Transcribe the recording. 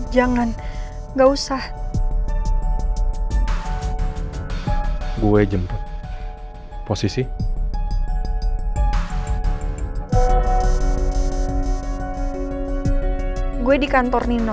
dan ngajakin ke kantornya nino